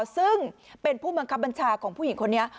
ซึ่งเป็นผู้บังคับบัญชาของผู้หญิงคนนี้